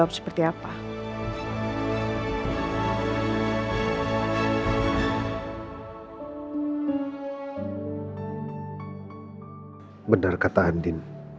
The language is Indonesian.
benar kata andin